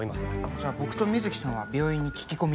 じゃあ僕と水木さんは病院に聞き込みに行きます。